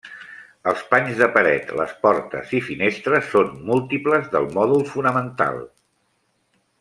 Els panys de paret, les portes i finestres són múltiples del mòdul fonamental.